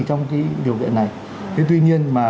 trong cái điều kiện này thế tuy nhiên mà